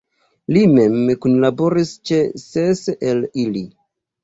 Li mem kunlaboris ĉe ses el ili.